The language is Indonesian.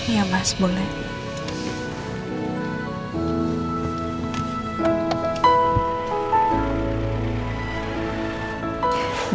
iya mas boleh